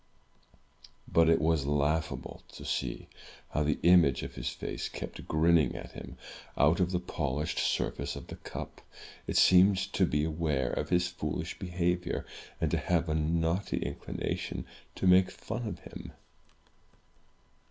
But it was laughable to see how the image of his face kept grin ning at him, out of the polished surface of the cup. It seemed to be aware of his foolish behavior, and to have a naughty inclina tion to make fun of him.